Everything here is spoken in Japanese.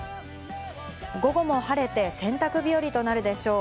午後も晴れて洗濯日和となるでしょう。